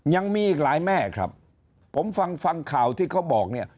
ยังมีอีกหลายแม่ครับผมฟังฟังข่าวที่เขาบอกเนี่ย